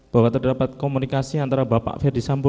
bahwa terdapat komunikasi antara bapak ferdisambo